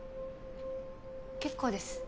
結構です。